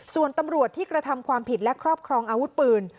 ส่วนตำรวจที่กระทำความผิดและครอบครองอาวุธปืน